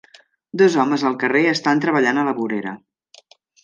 Dos homes al carrer estan treballant a la vorera.